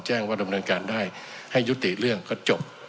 แจ้งว่าดำเนินการได้ให้ยุติเรื่องก็จบ